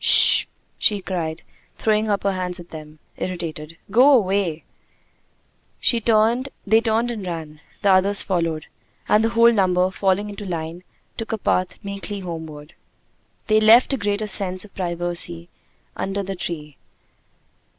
"Sh pp pp!" she cried, throwing up her hands at them, irritated. "Go away!" They turned and ran; the others followed; and the whole number, falling into line, took a path meekly homeward. They left a greater sense of privacy under the tree.